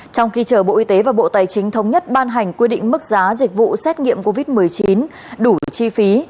trong khi chờ bộ y tế và bộ tài chính thống nhất ban hành quy định mức giá dịch vụ xét nghiệm covid một mươi chín đủ chi phí